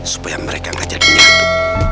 supaya mereka gak jadi nyatu